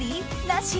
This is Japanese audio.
なし？